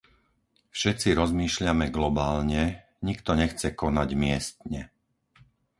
Všetci rozmýšľame globálne, nikto nechce konať miestne.